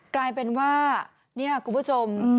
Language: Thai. กลายเป็นว่านี่คุณผู้ชม